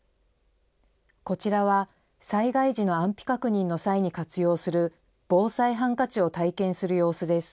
こちらは、災害時の安否確認の際に活用する、防災ハンカチを体験する様子です。